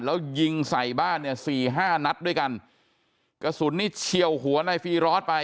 แล้วยิงใส่บ้านเนี่ยสี่ห้านัดด้วยกันกระสุนนี่เฉียวหัวในฟีรอสไป